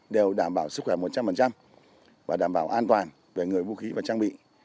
đều đảm bảo sức khỏe một trăm linh và đảm bảo an toàn về người vũ khí và trang bị